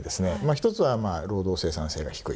１つは労働生産性が低い。